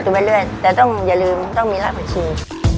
ตุ๋นไปเรื่อยแต่อย่าลืมมันต้องมีราคาชี